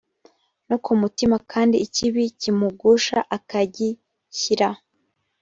no mu mutima kandi ikibi kimugusha akagishyira